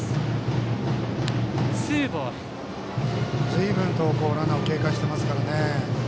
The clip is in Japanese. ずいぶんとランナーを警戒してますからね。